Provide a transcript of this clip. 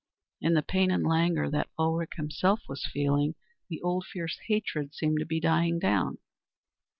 In the pain and languor that Ulrich himself was feeling the old fierce hatred seemed to be dying down.